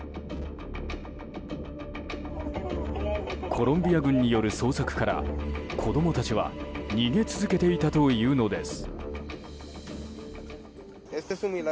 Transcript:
コロンビア軍による捜索から子供たちは逃げ続けていたというのです。